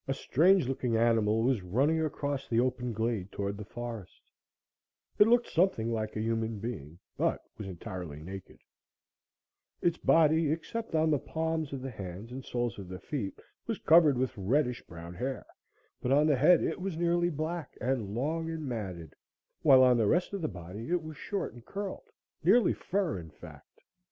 A strange looking animal was running across the open glade toward the forest. It looked something like a human being, but was entirely naked. Its body, except on the palms of the hands and soles of the feet, was covered with reddish brown hair, but on the head it was nearly black and long and matted; while on the rest of the body it was short and curled nearly fur, in fact.